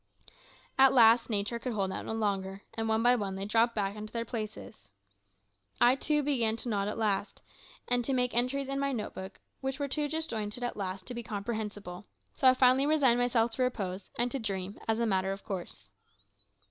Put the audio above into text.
At last nature could hold out no longer, and one by one they dropped back in their places. I, too, began to nod at last, and to make entries in my note book which were too disjointed at last to be comprehensible; so I finally resigned myself to repose, and to dream, as a matter of course.